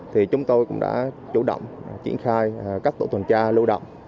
thì chúng tôi cũng đã chủ động triển khai các tổ tuần tra lưu động